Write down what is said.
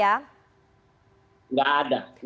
pali pokok sekarang bagaimana pks